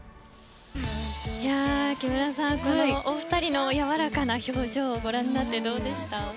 木村さん、このお二人のやわらかな表情をご覧になってどうでした？